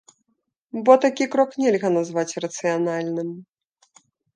Бо такі крок нельга назваць рацыянальным.